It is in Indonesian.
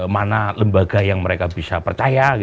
mana lembaga yang mereka bisa percaya